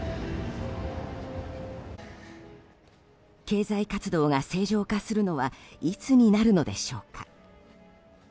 経済活動が正常化するのはいつになるのでしょうか。